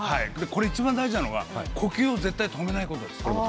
いちばん大事なのは呼吸を止めないことです。